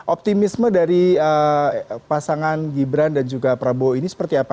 optimisme dari pasangan gibran dan juga prabowo ini seperti apa